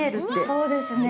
そうですね。